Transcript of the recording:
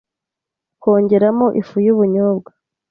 kongeramo ifu y’ubunyobwa